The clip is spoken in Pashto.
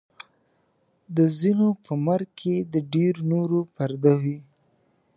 د ځینو په مرګ کې د ډېرو نورو پرده وي.